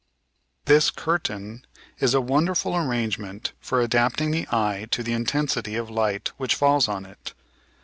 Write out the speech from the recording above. This curtain is a wonderful arrangement for adapting the eye to the intensity of hght which falls on it.